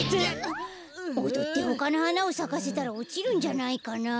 おどってほかのはなをさかせたらおちるんじゃないかな。